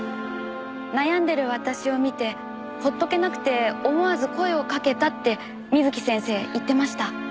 悩んでる私を見てほっとけなくて思わず声をかけたって美月先生言ってました。